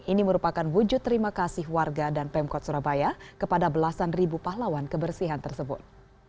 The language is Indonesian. ini merupakan wujud terima kasih warga dan pemkot surabaya kepada belasan ribu pahlawan kebersihan tersebut